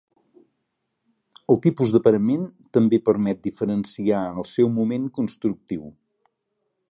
El tipus de parament també permet diferenciar el seu moment constructiu.